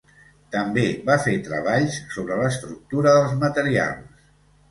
També va fer treballs sobre l'estructura dels materials.